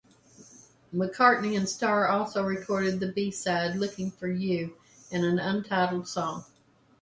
McCartney and Starr also recorded the B-side "Looking for You" and an untitled song.